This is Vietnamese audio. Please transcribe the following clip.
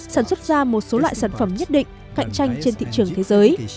sản xuất ra một số loại sản phẩm nhất định cạnh tranh trên thị trường thế giới